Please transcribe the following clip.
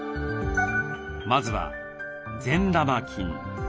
まずは善玉菌。